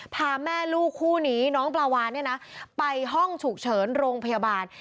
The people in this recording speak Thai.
พาแม่ลูกคู่นี้น้องปลาวานเนี่ยนะไปห้องฉุกเฉินโรงพยาบาล